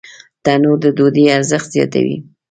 تنور د ډوډۍ ارزښت زیاتوي